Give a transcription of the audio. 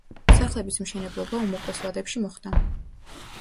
სახლების მშენებლობა უმოკლეს ვადებში მოხდა.